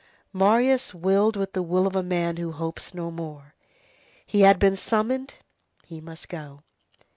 Marius willed with the will of a man who hopes no more. He had been summoned, he must go.